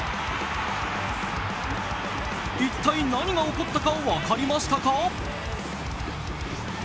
一体、何が起こったか分かりましたか？